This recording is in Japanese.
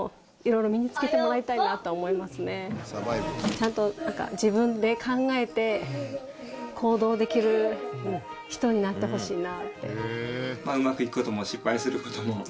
ちゃんと自分で考えて行動できる人になってほしいなって。